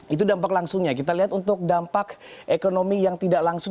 itu dampak langsungnya kita lihat untuk dampak ekonomi yang tidak langsung